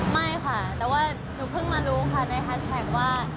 ไม่ค่ะแต่ว่าหนูเพิ่งมารู้ค่ะในแฮชแท็กว่า